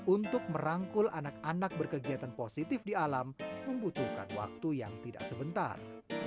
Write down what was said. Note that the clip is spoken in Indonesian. untuk merangkul anak anak berkegiatan positif di alam membutuhkan waktu yang tidak sebentar